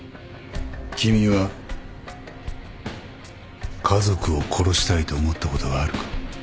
君は家族を殺したいと思ったことがあるか？